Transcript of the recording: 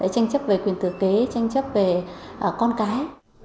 tranh chấp về quyền tử kế tranh chấp về con cái